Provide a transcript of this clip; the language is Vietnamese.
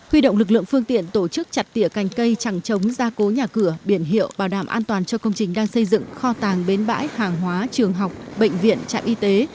huy động lực lượng phương tiện tổ chức chặt tỉa cành cây chẳng chống gia cố nhà cửa biển hiệu bảo đảm an toàn cho công trình đang xây dựng kho tàng bến bãi hàng hóa trường học bệnh viện trạm y tế